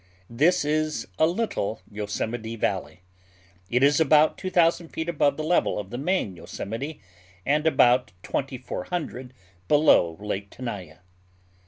This is a little Yosemite valley. It is about two thousand feet above the level of the main Yosemite, and about twenty four hundred below Lake Tenaya.